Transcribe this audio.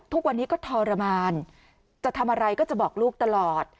ทุกวันนี้ก็ทรมานจะทำอะไรก็จะบอกลูกตลอด